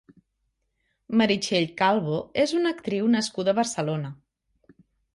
Meritxell Calvo és una actriu nascuda a Barcelona.